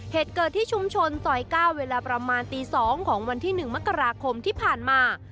เหตุเกิดที่ชุมชนซอย๙เวลาประมาณตี๒ของวันที่๑มกราคมที่ผ่านมา